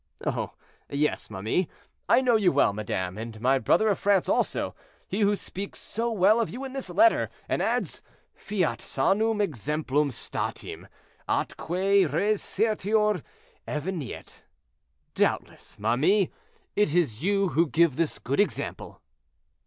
"Oh! yes, ma mie, I know you well, madame, and my brother of France also, he who speaks so well of you in this letter, and adds, 'Fiat sanum exemplum statim, atque res certior eveniet.' Doubtless, ma mie, it is you who give this good example."